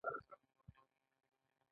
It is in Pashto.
باید خپل کارکوونکي او مشتریان خبر کړي.